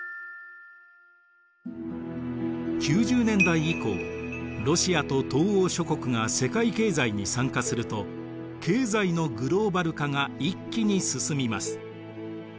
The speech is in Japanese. ９０年代以降ロシアと東欧諸国が世界経済に参加すると経済のグローバル化が一気に進みます。